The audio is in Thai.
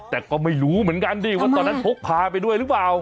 แต่ก็ไม่รู้เหมือนกันดิว่าตอนนั้นพกพาไปด้วยหรือเปล่า